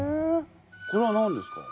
これは何ですか？